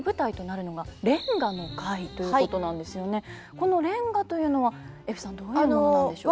この連歌というのはゑふさんどういうものなんでしょう？